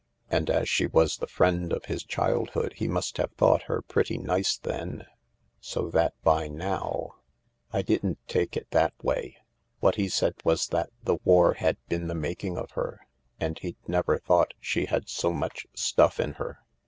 " And as she was the friend of his childhood he must have thought her pretty nice then. So that by now ...!"" I didn't take it that way. What he said was that the war had been the making of her, and he'd never thought she had so much stuff in her.